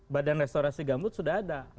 badan restorasi gambut sudah ada